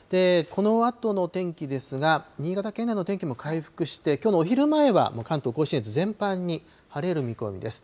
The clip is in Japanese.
このあとの天気ですが、新潟県内の天気も回復して、きょうのお昼前は、もう関東甲信越全般に晴れる見込みです。